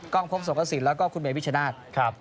ก้องพบสกสินแล้วก็คุณเมย์พิชชนาธครับ